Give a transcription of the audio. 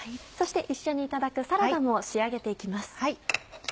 そして一緒にいただくサラダも仕上げて行きます。